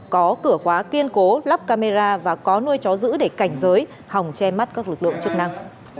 có cửa khóa kiên cố lắp camera và có nuôi chó giữ để cảnh giới hòng che mắt các lực lượng chức năng